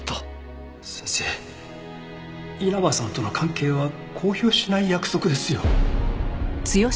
先生稲葉さんとの関係は公表しない約束ですよ。